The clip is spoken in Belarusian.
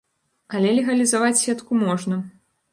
Але легалізаваць сетку можна.